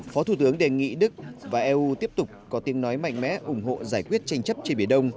phó thủ tướng đề nghị đức và eu tiếp tục có tiếng nói mạnh mẽ ủng hộ giải quyết tranh chấp trên biển đông